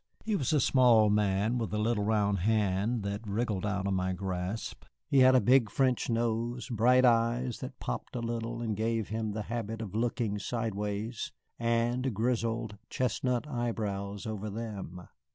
He was a small man, with a little round hand that wriggled out of my grasp; he had a big French nose, bright eyes that popped a little and gave him the habit of looking sidewise, and grizzled, chestnut eyebrows over them.